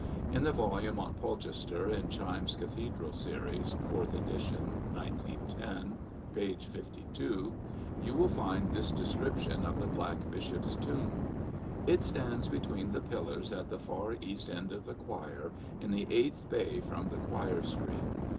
In the volume on Polchester in Chimes' Cathedral Series (4th edition, 1910), page 52, you will find this description of the Black Bishop's Tomb: "It stands between the pillars at the far east end of the choir in the eighth bay from the choir screen.